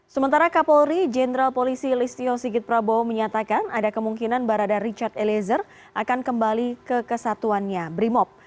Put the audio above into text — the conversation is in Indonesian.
sementara kapolri jenderal polisi listio sigit prabowo menyatakan ada kemungkinan barada richard eliezer akan kembali ke kesatuannya brimob